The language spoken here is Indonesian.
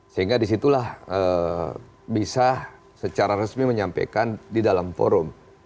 sehingga disitulah bisa secara resmi menyampaikan di dalam forum